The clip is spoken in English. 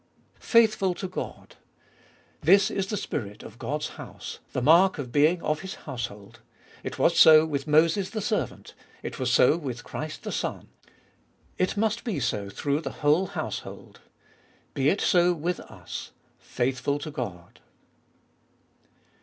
1. Faithful to God. This Is the spirit of Qod's house, the mark of being of His household. It was so with Moses the servant. It was so with Christ the Son. It must be so through the whole household. Be it so with us: Faithful to God.